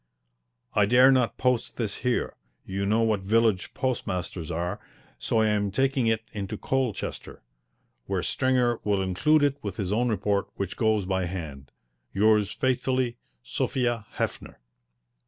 I dare not post this here you know what village postmasters are, so I am taking it into Colchester, where Stringer will include it with his own report which goes by hand. Yours faithfully, SOPHIA HEFFNER.